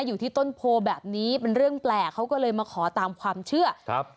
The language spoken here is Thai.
อยู่ที่ต้นโพแบบนี้เป็นเรื่องแปลกเขาก็เลยมาขอตามความเชื่อครับ